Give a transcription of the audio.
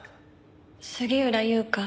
杉浦優花。